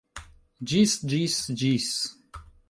Ĝis... ĝis... ĝis...